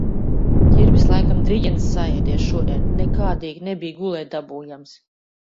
Ķirbis laikam driģenes saēdies šodien, nekādīgi nebija gulēt dabūjams.